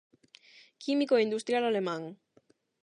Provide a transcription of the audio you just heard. Químico e industrial alemán.